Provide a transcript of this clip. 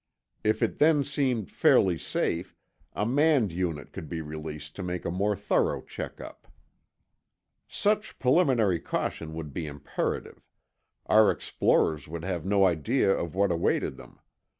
If it then seemed fairly safe, a manned unit could be released to make a more thorough check up. Such preliminary caution would be imperative. Our explorers would have no idea of what awaited them.